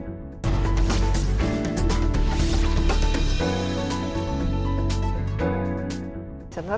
jadi ini adalah bagian dari kegiatan mereka